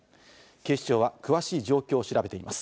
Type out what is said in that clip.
警視庁は詳しい状況を調べています。